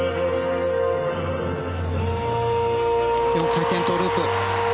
４回転トウループ。